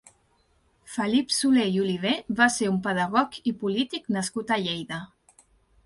Felip Solé i Olivé va ser un pedagog i polític nascut a Lleida.